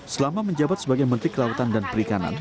selama menjabat sebagai menteri kelautan dan perikanan